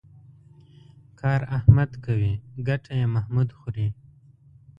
کار احمد کوي ګټه یې محمود خوري.